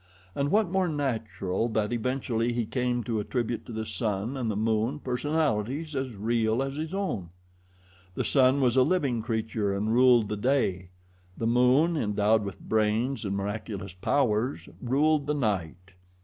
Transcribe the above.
And what more natural that eventually he came to attribute to the sun and the moon personalities as real as his own? The sun was a living creature and ruled the day. The moon, endowed with brains and miraculous powers, ruled the night.